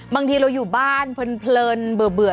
บางทีเราอยู่บ้านเพลินเบื่อ